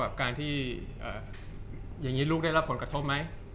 จากความไม่เข้าจันทร์ของผู้ใหญ่ของพ่อกับแม่